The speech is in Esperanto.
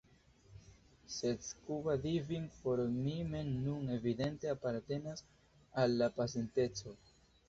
Sed scuba diving por mi mem nun evidente apartenas al la pasinteco.